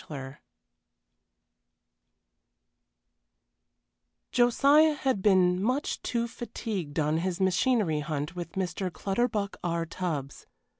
XIV Josiah had been too much fatigued on his machinery hunt with Mr. Clutterbuck R. Tubbs.